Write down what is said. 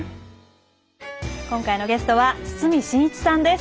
今回のゲストは堤真一さんです。